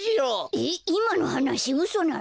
えっいまのはなしうそなの？